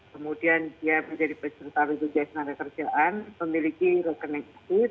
kemudian dia menjadi peserta bgjs naga kerjaan memiliki rekening